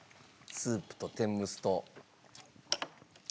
スープと天むすと。